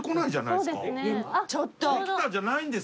「できた？」じゃないんです。